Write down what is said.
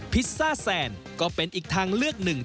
พิซซ่าแซนก็เป็นอีกทางเลือกหนึ่ง